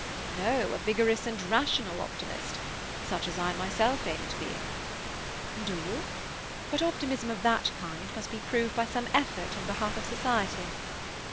"No. A vigorous and rational optimist—such as I myself aim at being." "Do you? But optimism of that kind must be proved by some effort on behalf of society."